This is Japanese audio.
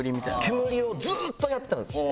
煙をずっとやってたんですね。